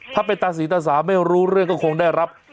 ถ้าไปตัดสินตัดสามไม่รู้เรื่องก็คงได้รับ